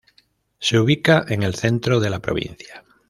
Se ubica en el centro de la provincia.